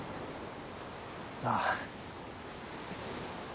ああ。